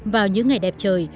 vào những ngày đẹp trời